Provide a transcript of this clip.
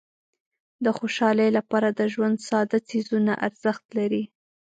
د خوشحالۍ لپاره د ژوند ساده څیزونه ارزښت لري.